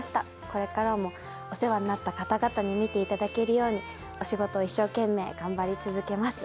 これからもお世話になった方々に見ていただけるようにお仕事一生懸命頑張り続けます。